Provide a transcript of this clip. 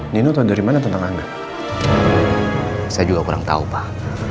nino tahu dari mana tentang anda saya juga kurang tahu pak